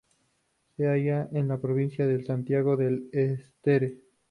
Se halla en la provincia de Santiago del Estero.